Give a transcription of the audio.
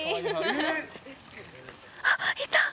あっいた。